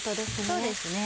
そうですね。